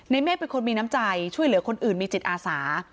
เมฆเป็นคนมีน้ำใจช่วยเหลือคนอื่นมีจิตอาสา